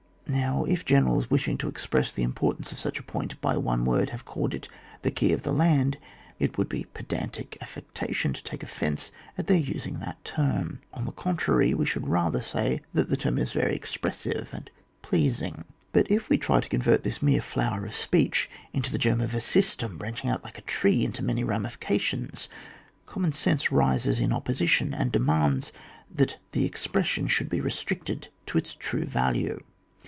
Now, if generals wishing to express the importance of such a point by one word have called it the hey of the land, it would be pedantic affectation to take offence at their using that term ; on the contrary we should rather say the term is very expressive and pleasing. But if we try to convert this mere flower of speech into the germ of a system branching out like a tree into many ramifications, common sense rises in opposition, and demands that the expres sion should be restricted to its true value.